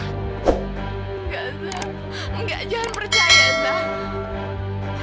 enggak zaira enggak jangan percaya zaira